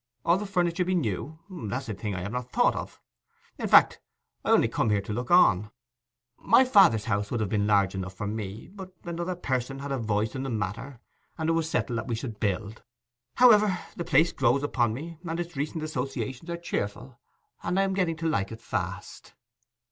'All the furniture be new—that's a thing I have not thought of. In fact I only come here and look on. My father's house would have been large enough for me, but another person had a voice in the matter, and it was settled that we should build. However, the place grows upon me; its recent associations are cheerful, and I am getting to like it fast.